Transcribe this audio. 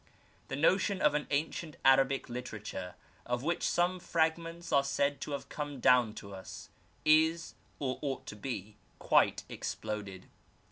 The notion of an ancient Arabic literature, of which some fragments are said to have come down to us, is, or ought to be, quite exploded.